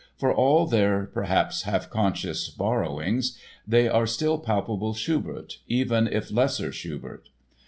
For all their (perhaps half conscious) borrowings they are still palpable Schubert, even if lesser Schubert.